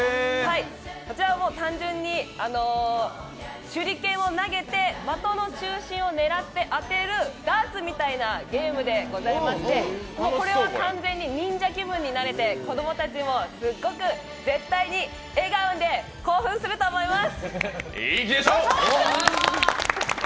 こちらは単純に手裏剣を投げて的の中心を狙って当てるダーツみたいなゲームでございまして、これは完全に忍者気分になれて子供たちもすっごく、絶対に笑顔で興奮すると思います！